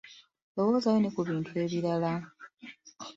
Lowoozaayo ne ku bintu ebirala.